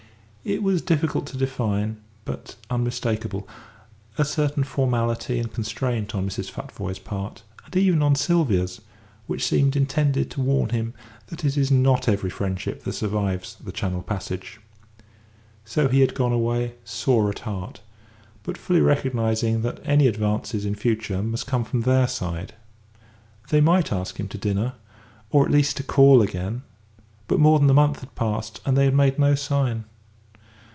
It was difficult to define, but unmistakable a certain formality and constraint on Mrs. Futvoye's part, and even on Sylvia's, which seemed intended to warn him that it is not every friendship that survives the Channel passage. So he had gone away sore at heart, but fully recognising that any advances in future must come from their side. They might ask him to dinner, or at least to call again; but more than a month had passed, and they had made no sign.